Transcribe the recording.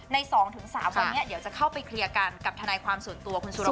ใน๒๓วันนี้เดี๋ยวจะเข้าไปเคลียร์กันกับทนายความส่วนตัวคุณสุร